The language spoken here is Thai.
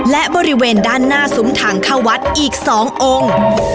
และบริเวณด้านหน้าซุ้มทางเข้าวัดอีก๒องค์